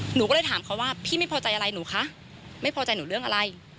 หนูก็เลยถามเขาว่าพี่ไม่พอใจอะไรหนูคะไม่พอใจหนูเรื่องอะไร